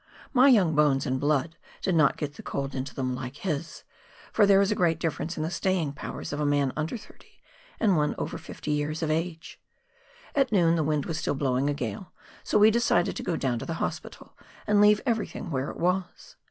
My young bones and blood did not get the cold into them like his, for there is a great difference in the staying powers of a man under thirty and one over fifty years of age. At noon the wind was still blowing a gale, so we decided to go down to the Hospital and leave everything where it was.